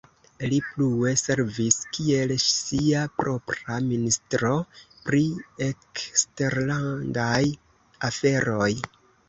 Li plue servis kiel sia propra Ministro pri eksterlandaj aferoj.